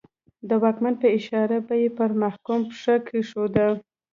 د واکمن په اشاره به یې پر محکوم پښه کېښوده.